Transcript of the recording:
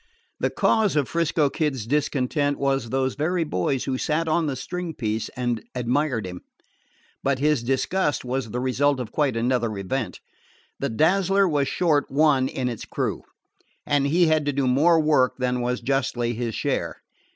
The cause of 'Frisco Kid's discontent was those very boys who sat on the string piece and admired him; but his disgust was the result of quite another event. The Dazzler was short one in its crew, and he had to do more work than was justly his share.